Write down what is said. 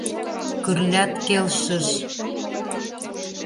Кырлят келшыш.